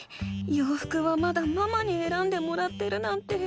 ようふくはまだママにえらんでもらってるなんて。